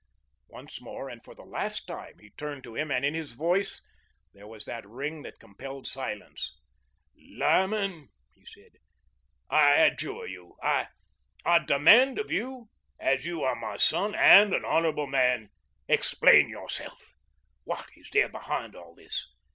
Once more and for the last time he turned to him and in his voice there was that ring that compelled silence. "Lyman," he said, "I adjure you I I demand of you as you are my son and an honourable man, explain yourself. What is there behind all this?